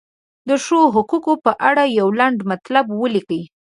د ښځو د حقونو په اړه یو لنډ مطلب ولیکئ.